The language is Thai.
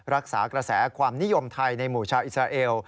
รักษากระแสความนิยมไทยในหมู่ชาวอิสราเอล